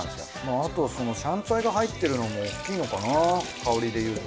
あとは香菜が入ってるのもおっきいのかな香りでいうと。